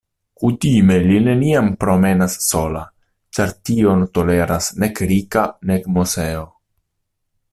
Kutime li neniam promenas sola, ĉar tion toleras nek Rika, nek Moseo.